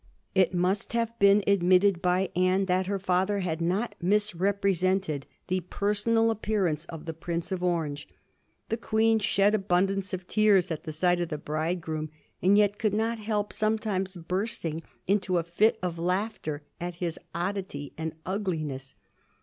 It must have been admitted by Anne that her father had not misrepresented the personal ap pearance of the Prince of Orange. The Queen shed abundance of tears at the sight of the bridegroom, and yet could not help sometimes bursting into a fit of laughter at his oddity and ugliness.